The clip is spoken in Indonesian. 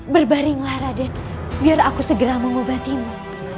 berbaringlah raden biar aku segera mengobatimu